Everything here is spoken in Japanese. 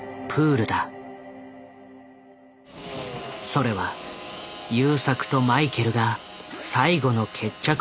それは優作とマイケルが最後の決着をつける